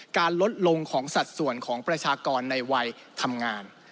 ลดลงของสัดส่วนของประชากรในวัยทำงาน